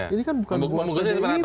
ini kan bukan buat bagaimana